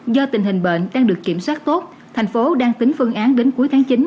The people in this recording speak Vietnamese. do tình hình bệnh đang được kiểm soát tốt thành phố đang tính phương án đến cuối tháng chín